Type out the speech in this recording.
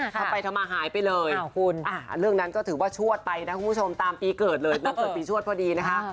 ทำไปทำมาหายไปเลยเรื่องนั้นก็ถือว่าชวดไปนะคุณผู้ชมตามปีเกิดเลยวันเกิดปีชวดพอดีนะคะ